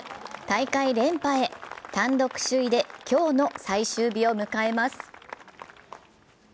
大会連覇へ単独首位で今日の最終日を迎えます。